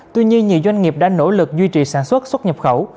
tuy nhiên nhiều doanh nghiệp đã nỗ lực duy trì sản xuất xuất nhập khẩu